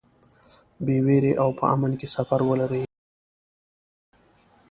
بې وېرې او په امن کې سفر ولرئ.